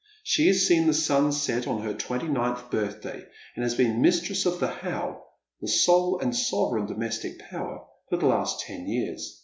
She has seen the sun set on her twenty ninth birthday, and has been mistress of the How, the sole and sovereign domestic power, for the last ten years.